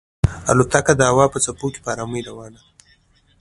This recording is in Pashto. الوتکه د هوا په څپو کې په ارامۍ روانه وه.